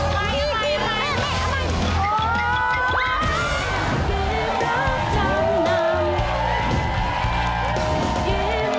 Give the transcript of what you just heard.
ไม่ไม่ไม่ไม่ไม่